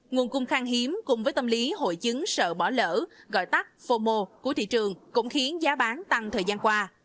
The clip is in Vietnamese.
nguồn cung khang hiếm cùng với tâm lý hội chứng sợ bỏ lỡ gọi tắt phô mô cuối thị trường cũng khiến giá bán tăng thời gian qua